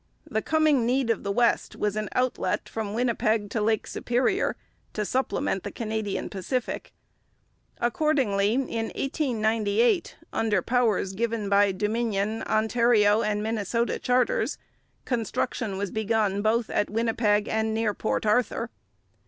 The coming need of the West was an outlet from Winnipeg to Lake Superior, to supplement the Canadian Pacific. Accordingly in 1898, under powers given by Dominion, Ontario, and Minnesota charters, construction was begun both at Winnipeg and near Port Arthur.